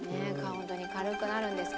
本当に軽くなるんですか？